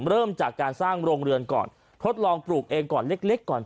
เริ่มจากการสร้างโรงเรือนก่อนทดลองปลูกเองก่อนเล็กก่อน